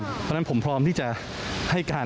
เพราะฉะนั้นผมพร้อมที่จะให้การ